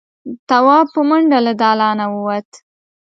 تواب په منډه له دالانه ووت.